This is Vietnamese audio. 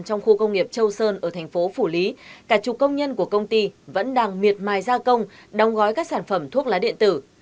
trong khu công nghiệp châu sơn ở thành phố phủ lý cả chục công nhân của công ty vẫn đang miệt mài gia công đóng gói các sản phẩm thuốc lá điện tử